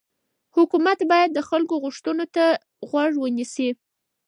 حکومت باید د خلکو غوښتنو ته غوږ ونیسي